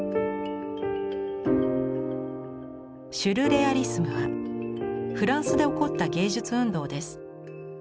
シュルレアリスムはフランスで起こった芸術運動です。